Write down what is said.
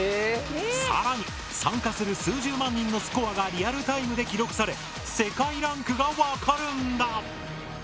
更に参加する数十万人のスコアがリアルタイムで記録され世界ランクが分かるんだ！